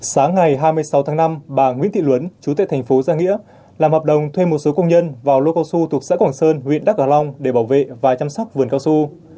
sáng ngày hai mươi sáu tháng năm bà nguyễn thị luấn chú tệ thành phố giang nghĩa làm hợp đồng thuê một số công nhân vào lô cao su thuộc xã quảng sơn huyện đắk g long để bảo vệ và chăm sóc vườn cao su